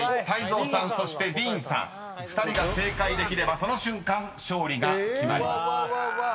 泰造さんそしてディーンさん２人が正解できればその瞬間勝利が決まります］